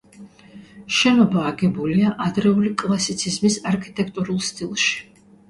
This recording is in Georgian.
შენობა აგებულია ადრეული კლასიციზმის არქიტექტურულ სტილში.